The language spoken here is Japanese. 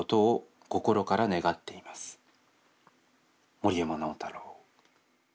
「森山直太朗」。